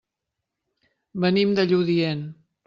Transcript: Venim de Lludient.